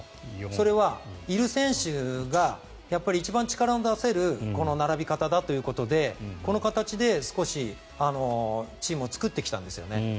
それはいる選手が一番力の出せる並び方だということでこの形で少しチームを作ってきたんですよね。